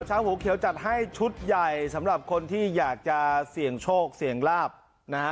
หัวเขียวจัดให้ชุดใหญ่สำหรับคนที่อยากจะเสี่ยงโชคเสี่ยงลาบนะฮะ